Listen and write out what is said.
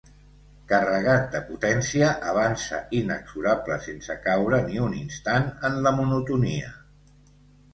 Carregat de potència, avança inexorable sense caure ni un instant en la monotonia.